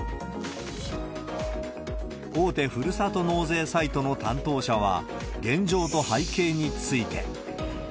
大手ふるさと納税サイトの担当者は、現状と背景について。